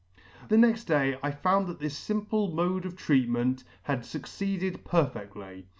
The next day I found that this fimple mode of treatment had fucceeded perfectly.